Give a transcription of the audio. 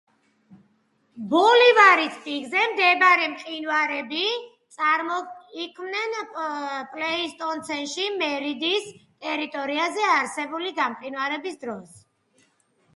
ბოლივარის პიკზე მდებარე მყინვარები წარმოიქმნენ პლეისტოცენში, მერიდის ტერიტორიაზე არსებული გამყინვარების დროს.